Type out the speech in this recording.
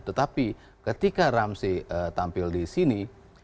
tetapi ketika ramsey tampil disini